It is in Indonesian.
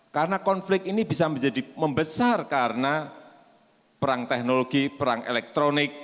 karena konflik ini bisa menjadi membesar karena perang teknologi perang elektronik